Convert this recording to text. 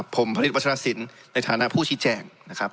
ผมพระอิทธิปัชฌาสินในฐานะผู้ชี้แจ่ง